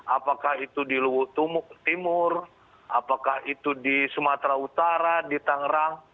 apakah itu di luwutumuk timur apakah itu di sumatera utara di tangerang